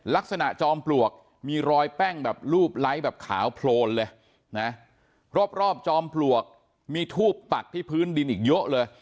จอมปลวกมีรอยแป้งแบบรูปไลค์แบบขาวโพลนเลยนะรอบจอมปลวกมีทูบปักที่พื้นดินอีกเยอะเลย